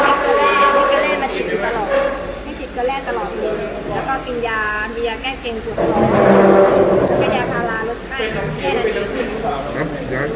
มึงจะก็แค่นี้ต้องมาเล่นก็ออกพี่นะที่เพียงร้อนตลอด